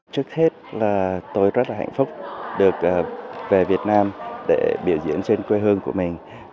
trước hết là tôi rất là hạnh phúc được về việt nam để biểu diễn trên quê hương của mình